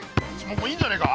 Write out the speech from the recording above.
もういいんじゃないか？